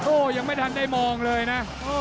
โอ้โหยังไม่ทันได้มองเลยนะ